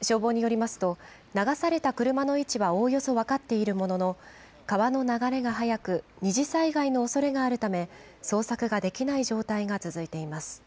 消防によりますと流された車の位置はおおよそ分かっているものの川の流れが速く二次災害のおそれがあるため捜索ができない状態が続いています。